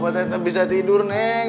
berarti tidak bisa tidur neng